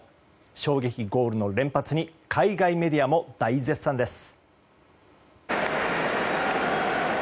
衝撃ゴールの連発に海外メディアも大絶賛です。